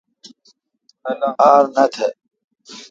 ار نہ تھ۔